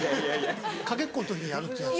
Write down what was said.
駆けっこの時にやるってやつ？